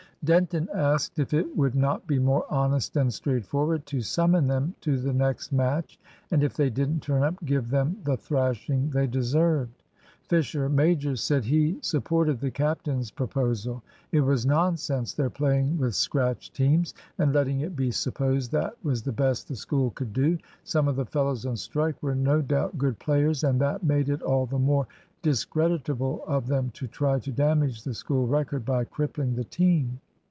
Denton asked if it would not be more honest and straightforward to summon them to the next match, and if they didn't turn up give them the thrashing they deserved? Fisher major said he supported the captain's proposal. It was nonsense their playing with scratch teams, and letting it be supposed that was the best the School could do. Some of the fellows on strike were no doubt good players, and that made it all the more discreditable of them to try to damage the School record by crippling the team.